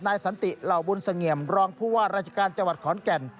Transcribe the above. สันติเหล่าบุญเสงี่ยมรองผู้ว่าราชการจังหวัดขอนแก่น